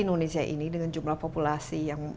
indonesia ini dengan jumlah populasi yang